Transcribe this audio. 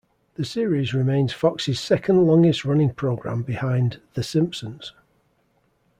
The series remains Fox's second-longest-running program, behind "The Simpsons".